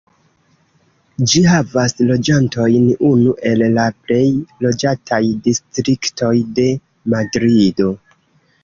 Ĝi havas loĝantojn, unu el la plej loĝataj distriktoj de Madrido.